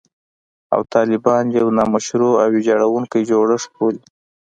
او طالبان یو «نامشروع او ویجاړوونکی جوړښت» بولي